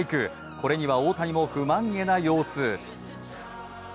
これには大谷も不満げな様子。